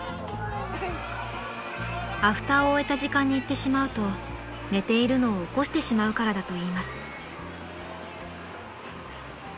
［アフターを終えた時間に行ってしまうと寝ているのを起こしてしまうからだといいます］